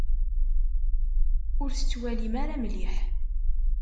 Ur tettwalim ara mliḥ.